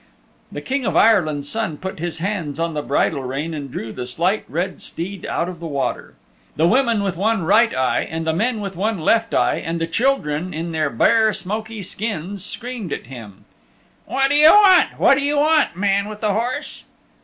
The King of Ireland's Son put his hands on the bridle rein and drew the Slight Red Steed out of the water. The women with one right eye and the men with one left eye, and the children in their bare smoky skins screamed at him, "What do you want, what do you want, man with the horse?"